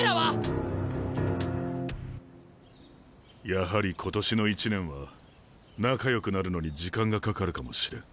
やはり今年の１年は仲よくなるのに時間がかかるかもしれん。